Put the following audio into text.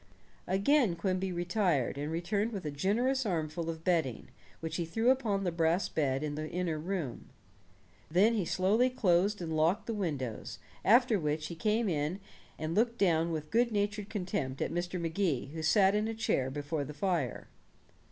Again Quimby retired, and returned with a generous armful of bedding, which he threw upon the brass bed in the inner room. Then he slowly closed and locked the windows, after which he came and looked down with good natured contempt at Mr. Magee, who sat in a chair before the fire.